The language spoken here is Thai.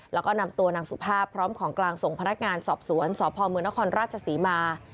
แล้วก็นำตัวนางสุภาพพร้อมของกลางส่งพนักงานสอบสวนสพมนครราชศรีมา